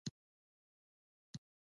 اینجانب زبدة العلما قاطع شرک و البدعت.